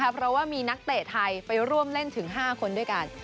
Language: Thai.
เพราะว่ามีนักเตะไทยไปร่วมเล่นถึง๕คนด้วยกัน